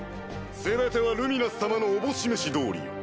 全てはルミナス様の思し召し通りよ。